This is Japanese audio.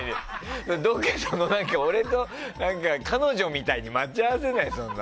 俺と彼女みたいに待ち合わせないでしょ。